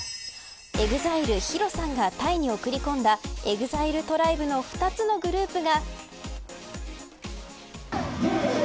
ＥＸＩＬＥ、ＨＩＲＯさんがタイに送り込んだＥＸＩＬＥＴＲＩＢＥの２つのグループが。